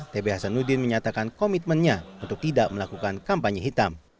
tb hasanuddin menyatakan komitmennya untuk tidak melakukan kampanye hitam